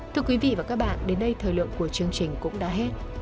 thưa quý vị và các bạn đến đây thời lượng của chương trình cũng đã hết